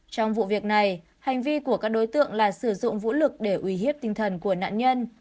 trong vụ việc này hành vi của các đối tượng là sử dụng vũ lực để uy hiếp tinh thần của nạn nhân